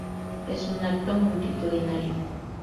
Es un Acto multitudinario.